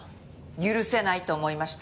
許せないと思いました。